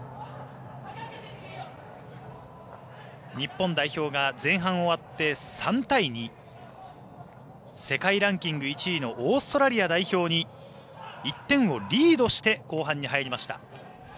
日本代表が前半終わって３対２世界ランキング１位のオーストラリア代表に１点をリードして後半に入りました。